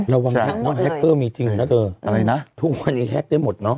ใช่ทั้งหมดเลยว่าแฮคเกอร์มีจริงนะเธออะไรนะทุกวันนี้แฮคได้หมดเนอะ